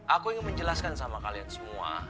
aku ingin menjelaskan sama kalian semua